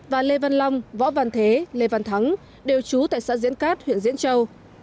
và lê văn long võ văn thế lê văn thắng đều trú tại xã diễn cát huyện diễn châu